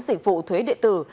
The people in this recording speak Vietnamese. sĩ phụ thuế địa tử